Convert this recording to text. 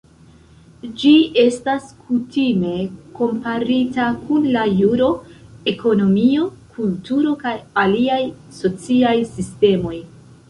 Ĝi estas kutime komparita kun la juro, ekonomio, kulturo kaj aliaj sociaj sistemoj.